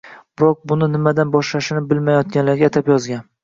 Biroq buni nimadan boshlashni bilmayotganlarga atab yozgan